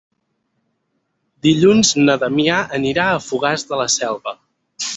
Dilluns na Damià anirà a Fogars de la Selva.